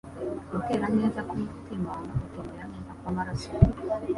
Gutera neza k'umutima no gutembera neza kw'amaraso